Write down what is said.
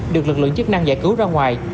được lực lượng chức năng giải cứu ra ngoài